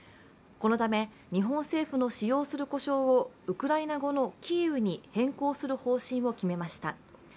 このため日本政府の使用する呼称をウクライナ語のキーウに変更する方針を決めました。